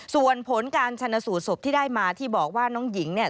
ส่วนผลการชนสูตรศพที่ได้มาที่บอกว่าน้องหญิงเนี่ย